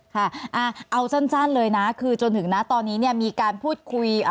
ค่ะเอาสั้นเลยนะคือจนถึงนะตอนนี้เนี่ยมีการพูดคุย